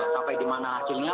sampai di mana hasilnya